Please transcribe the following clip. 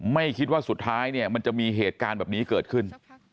ไม่คิดว่าสุดท้ายเนี่ยมันจะมีเหตุการณ์แบบนี้เกิดขึ้น